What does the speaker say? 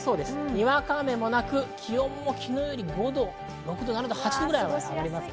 にわか雨もなく、気温も昨日より５度、６度、７度、８度高くなります。